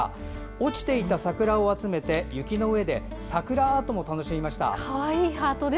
落ちていた桜を集めて雪の上で桜アートも楽しみました。